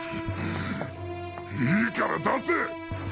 いいから出せっ！